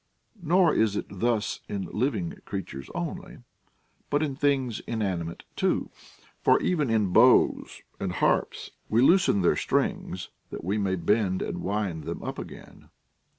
Nor is it thus in livinof creatures only, but in things inanimate too. For even in bows and harps, we loosen their strings, that we may bend and wind them up again.